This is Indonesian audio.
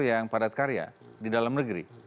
yang padat karya di dalam negeri